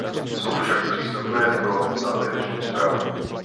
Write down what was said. Jsou však přípustné pro závěrečnou zprávu.